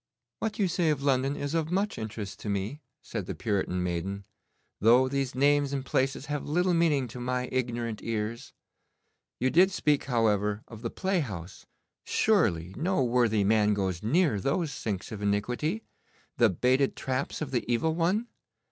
'What you say of London is of much interest to me,' said the Puritan maiden, 'though these names and places have little meaning to my ignorant ears. You did speak, however, of the playhouse. Surely no worthy man goes near those sinks of iniquity, the baited traps of the Evil One?